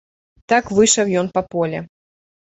Так выйшаў ён па поле.